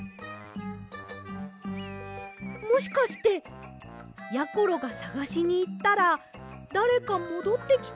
もしかしてやころがさがしにいったらだれかもどってきたりしませんよね？